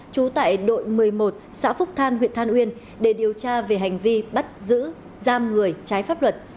trú tại đội một mươi một xã phúc than huyện than uyên để điều tra về hành vi bắt giữ giam người trái pháp luật